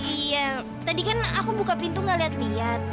iya tadi kan aku buka pintu gak liat liat